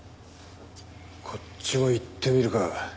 こっちも行ってみるか。